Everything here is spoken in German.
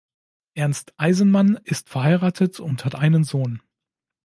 Ernst Eisenmann ist verheiratet und hat einen Sohn.